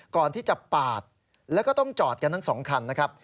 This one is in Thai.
ก่อนที่จะปาดแล้วก็ต้องจอดกันทั้งสองคันนะครับ